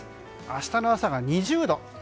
明日の朝が２０度。